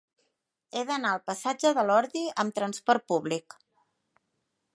He d'anar al passatge de l'Ordi amb trasport públic.